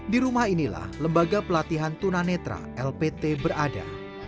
di rumah inilah lembaga pelatihan tuna netra lpt berada